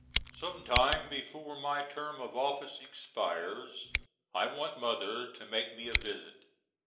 Sometime before my term of office expires I want Mother to make me a visit.